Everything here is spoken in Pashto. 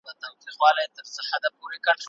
کمپيوټر تجارت آسانه کوي.